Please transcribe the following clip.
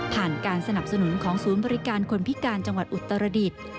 การสนับสนุนของศูนย์บริการคนพิการจังหวัดอุตรดิษฐ์